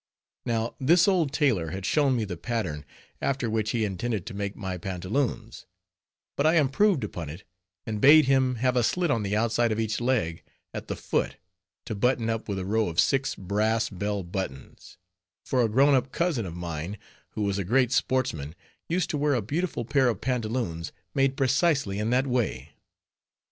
Now, this old tailor had shown me the pattern, after which he intended to make my pantaloons; but I improved upon it, and bade him have a slit on the outside of each leg, at the foot, to button up with a row of six brass bell buttons; for a grown up cousin of mine, who was a great sportsman, used to wear a beautiful pair of pantaloons, made precisely in that way.